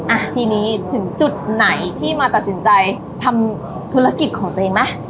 อ่ะทีนี้ถึงจุดไหนที่มาตัดสินใจทำธุรกิจของตัวเองไหม